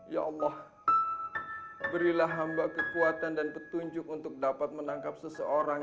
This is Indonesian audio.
ya allah berilah hamba kekuatan dan petunjuk untuk dapat menangkap seseorang